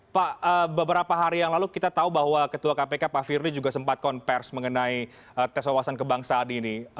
pak beberapa hari yang lalu kita tahu bahwa ketua kpk pak firly juga sempat konversi mengenai tes wawasan kebangsaan ini